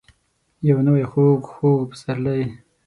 یو نوی خوږ. خوږ پسرلی ،